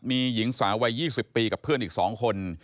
มีหญิงสาววัย๒๐ปีกับเพื่อนอีก๒คน